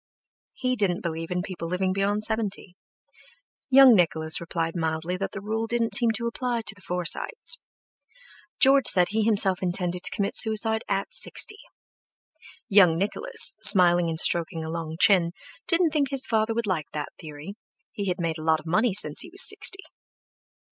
He didn't believe in people living beyond seventy, Young Nicholas replied mildly that the rule didn't seem to apply to the Forsytes. George said he himself intended to commit suicide at sixty. Young Nicholas, smiling and stroking a long chin, didn't think his father would like that theory; he had made a lot of money since he was sixty.